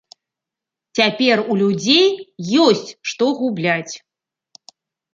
Цяпер у людзей ёсць, што губляць.